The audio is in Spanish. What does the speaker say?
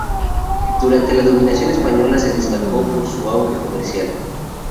Durante la dominación española, se destacó por su auge comercial.